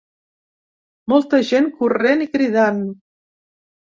Molta gent corrent i cridant.